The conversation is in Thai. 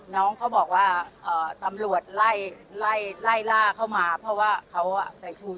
น้องเขาบอกว่าตำรวจไล่ล่าเข้ามาเพราะว่าเขาใส่ชู๓นิ้ว